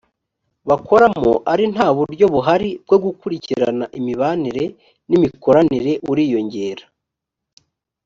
bakoramo ari nta buryo buhari bwo gukurikirana imibanire n imikoranire uriyongera